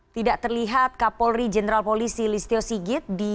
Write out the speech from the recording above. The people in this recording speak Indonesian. tidak terlihat kapolri jenderal polisi listio sigit di tkp